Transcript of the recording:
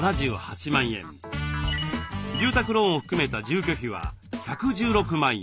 住宅ローンを含めた住居費は１１６万円。